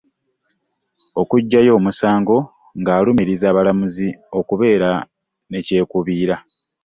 Okuggyayo omusango ng'alumiriza abalamuzi okubeera ne kyekubiira.